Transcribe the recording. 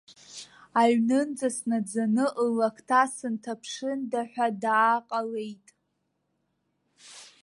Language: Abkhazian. Аҩнынӡа снаӡаны ллакҭа сынҭаԥшында ҳәа дааҟалеит.